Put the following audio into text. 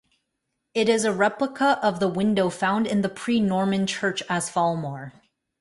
It is a replica of the window found in the pre-Norman Church as Falmore.